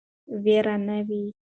ویر نه وي.